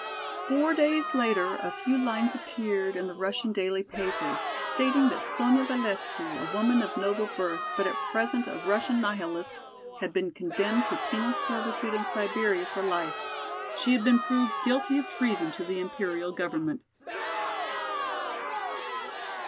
Four days later a few lines appeared in the Russian daily papers, stating that Sonya Valesky, a woman of noble birth, but at present a Russian nihilist, had been condemned to penal servitude in Siberia for life. She had been proved guilty of treason to the Imperial Government.